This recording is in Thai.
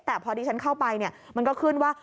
แต่พอดีฉันเข้าไปเนี่ยมันก็ขึ้นว่า